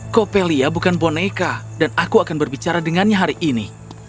copelia bukan boneka dan aku akan berbicara dengannya hari ini